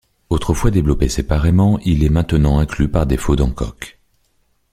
Autrefois développé séparément, il est maintenant inclus par défaut dans Coq.